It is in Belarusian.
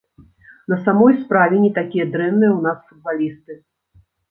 На самой справе, не такія дрэнныя ў нас футбалісты.